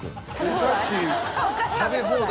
お菓子食べ放題？